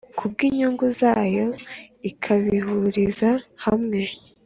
ku bw inyungu zayo ikabihuriza hamwe